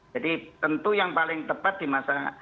jadi tentu yang paling tepat di masa